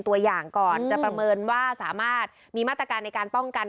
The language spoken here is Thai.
ตัวอย่างก่อนจะประเมินว่าสามารถมีมาตรการในการป้องกัน